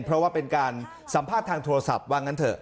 เป็นการสัมภาษณ์ทางโทรศัพท์ว่างั้นเถอะ